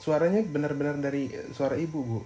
suaranya benar benar dari suara ibu bu